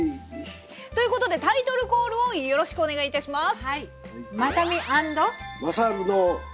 ということでタイトルコールをよろしくお願いいたします。